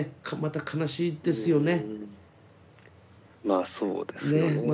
まあそうですよね。